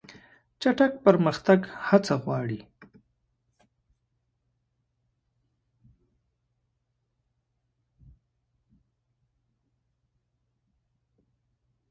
چټک پرمختګ هڅه غواړي.